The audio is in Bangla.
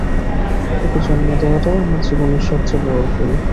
তোকে জন্ম দেওয়াটাই আমার জীবনের সবচেয়ে বড় ভুল।